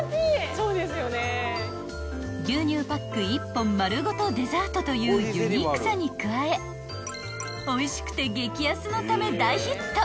［牛乳パック１本丸ごとデザートというユニークさに加えおいしくて激安のため大ヒット］